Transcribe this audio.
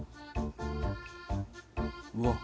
うわっ。